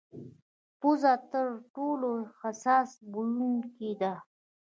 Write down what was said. پزه تر ټولو حساس بویونکې ده.